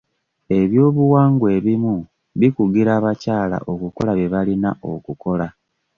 Eby'obuwangwa ebimu bikugira abakyala okukola bye balina okukola.